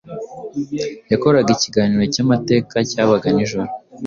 yakoraga ikiganiro cy’amateka cyabaga nijoro.